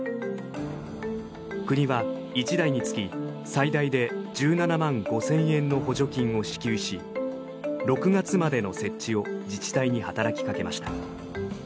国は１台につき最大で１７万５０００円の補助金を支給し６月までの設置を自治体に働きかけました。